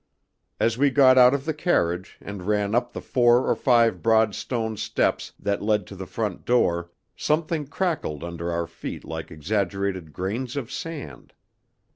As we got out of the carriage and ran up the four or five broad stone steps that led to the front door, something crackled under our feet like exaggerated grains of sand.